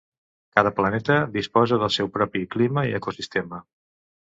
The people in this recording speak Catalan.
Cada planeta disposa del seu propi clima i ecosistema.